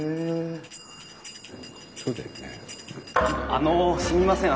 あのすみません